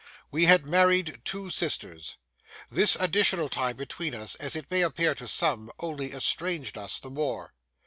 We had married two sisters. This additional tie between us, as it may appear to some, only estranged us the more.